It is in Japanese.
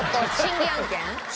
審議案件。